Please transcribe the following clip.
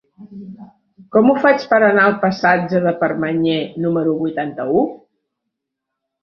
Com ho faig per anar al passatge de Permanyer número vuitanta-u?